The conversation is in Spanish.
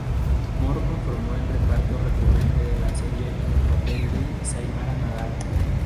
Mor conformó el reparto recurrente de la serie en el papel de Samira Nadal.